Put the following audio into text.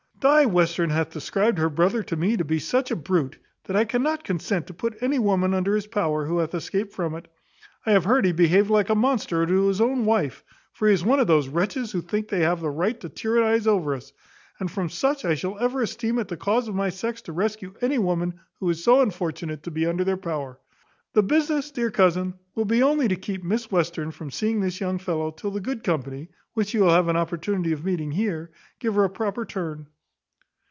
Di Western hath described her brother to me to be such a brute, that I cannot consent to put any woman under his power who hath escaped from it. I have heard he behaved like a monster to his own wife, for he is one of those wretches who think they have a right to tyrannise over us, and from such I shall ever esteem it the cause of my sex to rescue any woman who is so unfortunate to be under their power. The business, dear cousin, will be only to keep Miss Western from seeing this young fellow, till the good company, which she will have an opportunity of meeting here, give her a properer turn."